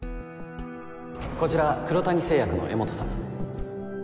こちら黒谷製薬の江本さん